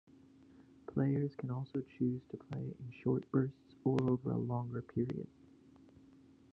Players can also choose to play in short bursts, or over a longer period.